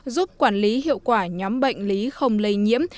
giúp quản lý hiệu quả nhóm bệnh lý không lây nhiễm